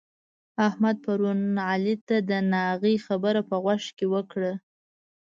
احمد پرون علي ته د ناغې خبره په غوږ کې ورکړه.